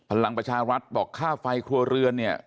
พลังประชารัฐบอกค่าไฟครัวเรือนเนี่ย